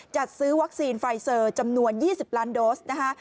จัดซื้อวัคซีนไฟเซอร์จำนวน๒๐ล้านโดสนะคะ